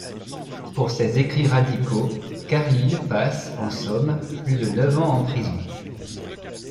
Pour ses écrits radicaux, Carlile passe, en somme, plus de neuf ans en prison.